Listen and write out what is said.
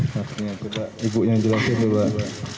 sedah mirah nasution